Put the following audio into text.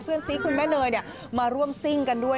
ซีคุณแม่เนยมาร่วมซิ่งกันด้วย